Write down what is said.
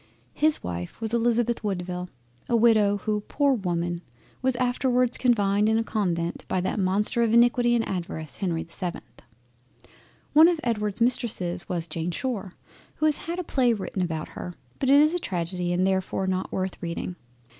His Wife was Elizabeth Woodville, a Widow who, poor Woman! was afterwards confined in a Convent by that Monster of Iniquity and Avarice Henry the 7th. One of Edward's Mistresses was Jane Shore, who has had a play written about her, but it is a tragedy and therefore not worth reading.